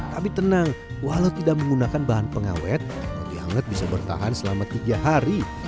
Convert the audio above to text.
tapi tenang walau tidak menggunakan bahan pengawet roti anget bisa bertahan selama tiga hari